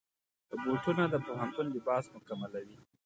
بوټونه د پوهنتون لباس مکملوي.